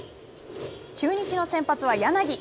中日の先発は柳。